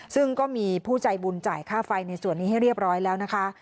ซึ่งก็มีผู้ใจบุญจ่ายค่าไฟในส่วนนี้ให้เรียบร้อยแล้วนะคะ